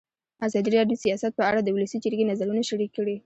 ازادي راډیو د سیاست په اړه د ولسي جرګې نظرونه شریک کړي.